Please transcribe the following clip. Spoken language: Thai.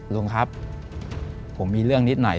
ลุงครับผมมีเรื่องนิดหน่อย